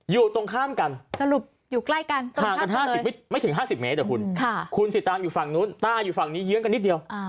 อยู่ตรงข้ามกันห่างกันไม่ถึง๕๐เมตรคุณสิตางอยู่ฝั่งนู้นต้าอยู่ฝั่งนี้เยื้องกันนิดเดียว